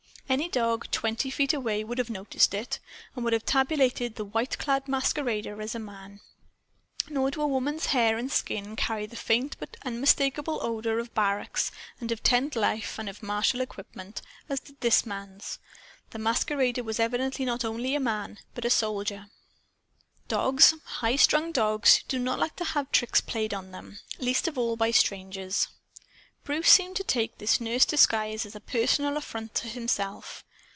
Any dog, twenty feet away, would have noticed it, and would have tabulated the white clad masquerader as a man. Nor do a woman's hair and skin carry the faint but unmistakable odor of barracks and of tent life and of martial equipment, as did this man's. The masquerader was evidently not only a man but a soldier. Dogs, high strung dogs, do not like to have tricks played on them; least of all by strangers. Bruce seemed to take the nurse disguise as a personal affront to himself.